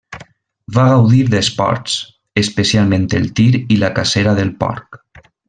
Va gaudir d'esports, especialment el tir i la cacera del porc.